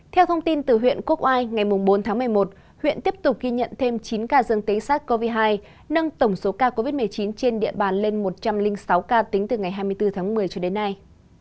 theo thông tin từ huyện quốc ai ngày bốn tháng một mươi một huyện tiếp tục ghi nhận thêm chín ca tính từ ngày bốn tháng một mươi một cho đến nay